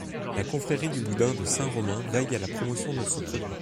La confrérie du boudin de Saint-Romain veille à la promotion de ce produit.